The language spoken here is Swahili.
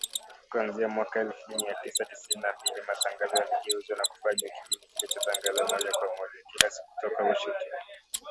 Kuanzia mwaka elfu mia tisa sitini na mbili, matangazo yaligeuzwa na kufanywa kipindi kilichotangazwa moja kwa moja, kila siku kutoka Washington,